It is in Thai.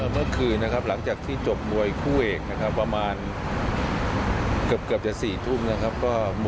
เมื่อคืนหลังจากที่จบมวยคู่เอกประมาณเกือบจะ๔ทุ่ม